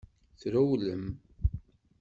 Trewlem.